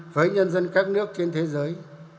với nhân dân các nước trên thế giới